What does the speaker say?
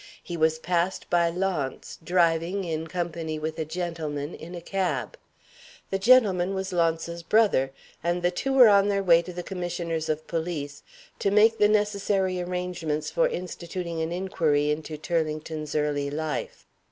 He was passed by Launce, driving, in company with a gentleman, in a cab. The gentleman was Launce's brother, and the two were on their way to the Commissioners of Police to make the necessary arrangements for instituting an inquiry into Turlington's early life.